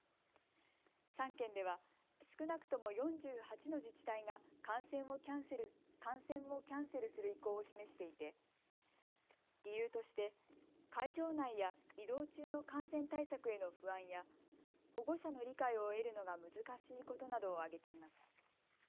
３県では少なくとも４８の自治体が観戦をキャンセルする意向を示していて理由として会場内や移動中の感染対策への不安や保護者の理解を得るのが難しいことなどを挙げています。